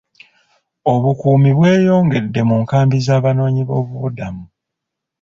Obukuumi bweyongedde mu nkambi z'Abanoonyiboobubudamu.